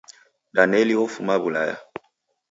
Daneli ofuma W'ulaya